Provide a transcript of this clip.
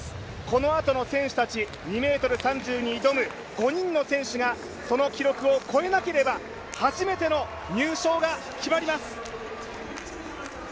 このあとの選手たち、２ｍ３０に挑む５人の選手がその記録を越えなければ初めての入賞が決まります。